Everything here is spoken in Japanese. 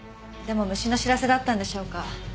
でも虫の知らせだったんでしょうか